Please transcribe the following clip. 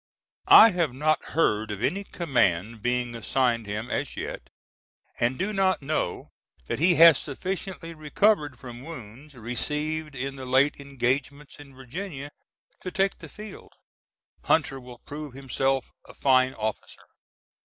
I have not heard of any command being assigned him as yet, and do not know that he has sufficiently recovered from wounds received in the late engagements in Virginia to take the field. Hunter will prove himself a fine officer.